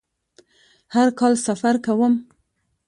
هر کال سفر کوم